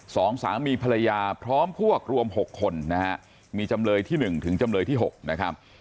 สองสามีภรรยาพร้อมพวกรวมหกคนนะฮะมีจำเลยที่หนึ่งถึงจำเลยที่หกนะครับ